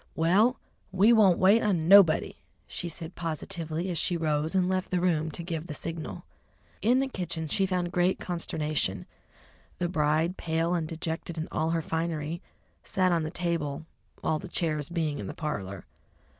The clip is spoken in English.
"Well, we won't wait on nobody," she said positively, as she rose and left the room to give the signal. In the kitchen she found great consternation: the bride, pale and dejected in all her finery, sat on the table, all the chairs being in the parlour.